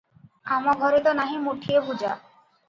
ଆମ ଘରେ ତ ନାହିଁ ମୁଠିଏ ଭୁଜା ।